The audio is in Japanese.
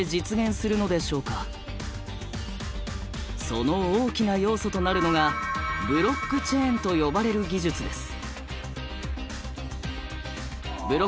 その大きな要素となるのがブロックチェーンと呼ばれる技術です。